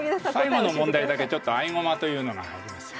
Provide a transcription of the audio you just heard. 最後の問題だけ合駒というのが入ります。